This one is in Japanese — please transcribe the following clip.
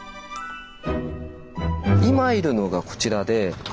今いるのがこちらで。